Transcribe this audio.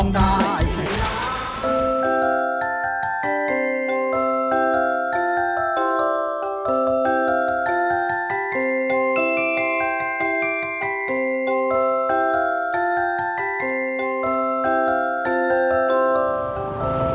ร้องได้ให้ร้อง